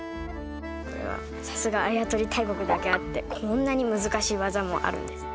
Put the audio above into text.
これはさすがあやとり大国だけあってこんなに難しい技もあるんです